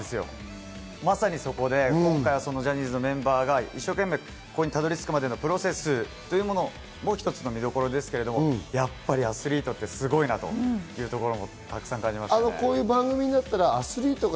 まさにそこで今回、ジャニーズのメンバーが一生懸命ここにたどり着くまでのプロセスももう一つの見どころですけれども、やっぱりアスリートってすごいなというのもたくさん感じましたね。